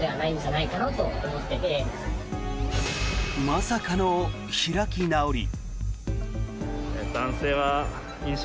まさかの開き直り。